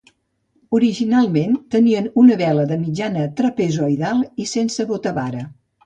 Originalment tenien una vela de mitjana trapezoidal sense botavara.